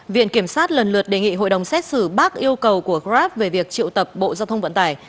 viện kiểm sát lần lượt đề nghị hội đồng xét xử bác yêu cầu của grab về việc triệu tập bộ giao thông vận tải